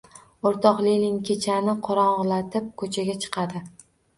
O’rtoq Lenin kechani qorong‘ilatib, ko‘chaga chiqadi.